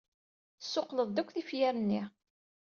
Tessuqqleḍ-d akk tifyar-nni.